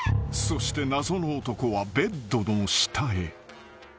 ［そして謎の男はベッドの下へ］